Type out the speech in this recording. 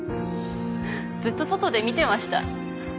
ずっと外で見てました。